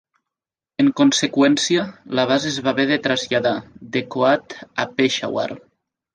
En conseqüència, la base es va haver de traslladar, de Kohat a Peshawar.